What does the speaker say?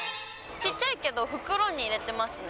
ちっちゃいけど、袋に入れてますね。